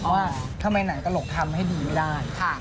ว่าทำไมหนังตลกทำให้ดีไม่ได้